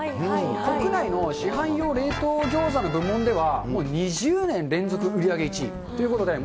国内の市販用冷凍ギョーザの部門では、もう２０年連続売り上げ１位ということで。